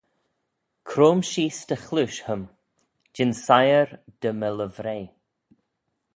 Croym sheese dty chleaysh hym: jean siyr dy my livrey.